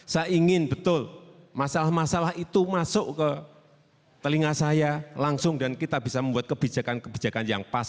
saya ingin betul masalah masalah itu masuk ke telinga saya langsung dan kita bisa membuat kebijakan kebijakan yang pas